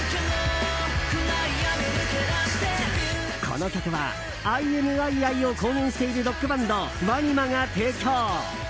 この曲はＩＮＩ愛を公言しているロックバンドＷＡＮＩＭＡが提供。